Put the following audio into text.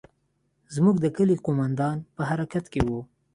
زموږ د کلي قومندان په حرکت کښې و.